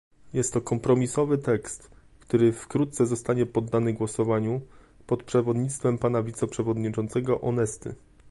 Jest to kompromisowy tekst, który wkrótce zostanie poddany głosowaniu, pod przewodnictwem pana wiceprzewodniczącego Onesty